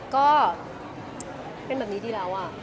ก็เป็นแบบนี้ดีแล้วอะ